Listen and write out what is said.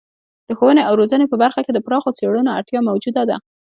د ښوونې او روزنې په برخه کې د پراخو څیړنو اړتیا موجوده ده.